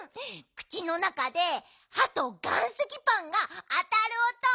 くちのなかではと岩石パンがあたるおと。